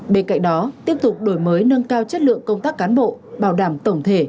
bên cạnh đó tiếp tục đổi mới nâng cao chất lượng công tác cán bộ bảo đảm tổng thể